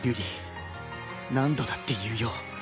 瑠璃何度だって言うよ。